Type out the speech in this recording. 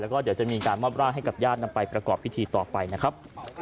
แล้วก็เดี๋ยวจะมีการมอบร่างให้กับญาตินำไปประกอบพิธีต่อไปนะครับ